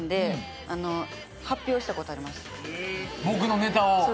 僕のネタを？